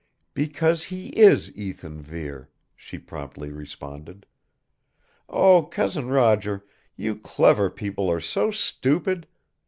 "Because he is Ethan Vere," she promptly responded. "Oh, Cousin Roger, you clever people are so stupid!